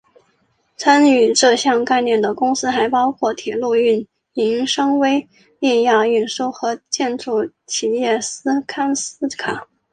参与这项概念的公司还包括铁路运营商威立雅运输和建筑企业斯堪斯卡。